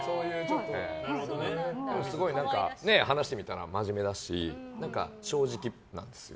すごい話してみたら真面目だし正直なんですよ。